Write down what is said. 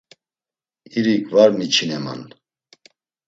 İrik var miçineman.